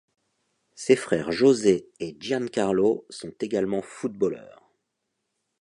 Ses frères José et Giancarlo sont également footballeurs.